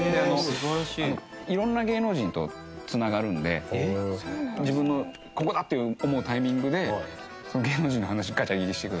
色んな芸能人と繋がるんで自分のここだって思うタイミングで芸能人の話ガチャ切りしてください。